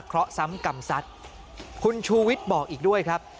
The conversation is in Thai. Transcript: เพราะซ้ำกรรมสัตว์คุณชูวิทย์บอกอีกด้วยครับ